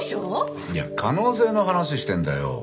いや可能性の話してんだよ。